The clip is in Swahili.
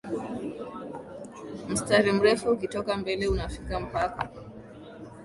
mstari mrefu ukitoka mbele unafika mpakaa